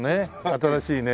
新しいね。